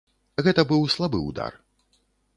Гэта быў слабы ўдар.